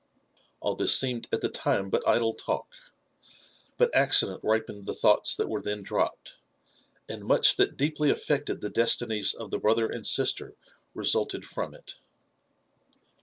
All this seemed at the time but idle talk ; but accident ripened the thoughts that were then dropped, and much that deeply affected the destinies of the brother and sister resulted from it.